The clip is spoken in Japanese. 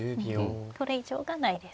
これ以上がないですか。